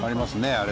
あれ？